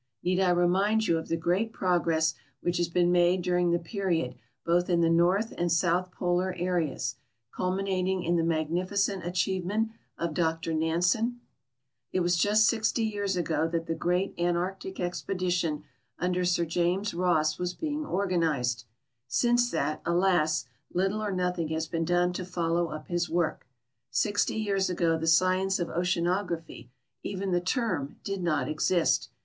Need I remind you of the great progress which has been made during the period both in the North and South Polar areas, culminating in the magni ficent achievem ent of Dr Nansen ? It was just sixty years ago that the great Antarctic expedition under Sir James Ross was being organized ; since that, alas ! little or nothing has been done to follow up his work. Sixty years ago the science of oceanography, even the term, did not exist.